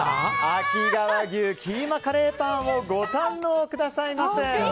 秋川牛キーマカレーパンをご堪能くださいませ。